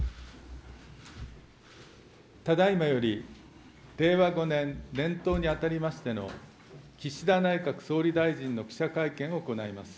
ただいまより令和５年年頭にあたりましての岸田内閣総理大臣の記者会見を行います。